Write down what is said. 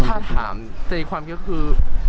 ถ้าถามใจความคิดคือ